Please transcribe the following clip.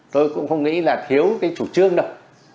tôi cũng không nghĩ là thiếu cái chủ trương đâu